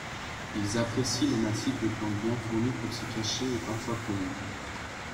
Ils apprécient les massifs de plantes bien fournis pour s'y cacher et parfois pondre.